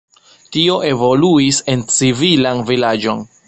Tio evoluis en civilan vilaĝon.